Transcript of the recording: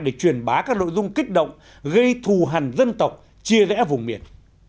để truyền bá các nội dung kích động gây thù hằn dân tộc chia rẽ vùng miền